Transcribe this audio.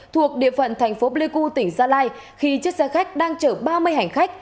thuộc địa phận thành phố pleiku tỉnh gia lai khi chiếc xe khách đang chở ba mươi hành khách